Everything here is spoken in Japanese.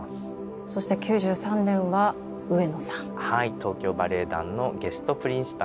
東京バレエ団のゲスト・プリンシパルですね。